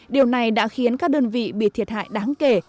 điều này đã khiến các đơn vị bị thiệt hại đáng kể